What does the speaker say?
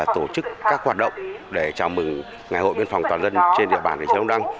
tổ chức các hoạt động để chào mừng ngày hội biên phòng toàn dân trên địa bản của thiên âu đăng